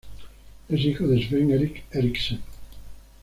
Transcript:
Es hijo de Svend-Erik Eriksen.